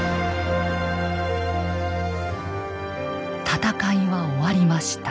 戦いは終わりました。